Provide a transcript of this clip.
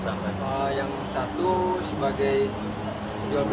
hutang kerugian yang dialami korban sekitar dua belas miliar rupiah